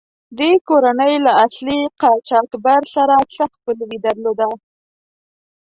دې کورنۍ له اصلي قاچاقبر سره څه خپلوي درلوده.